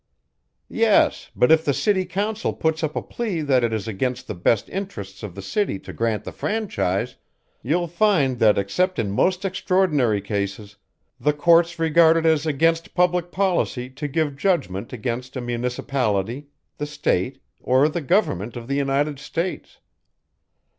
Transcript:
"Yes, but if the city council puts up a plea that it is against the best interests of the city to grant the franchise, you'll find that except in most extraordinary cases, the courts regard it as against public policy to give judgment against a municipality, the State or the Government of the United States.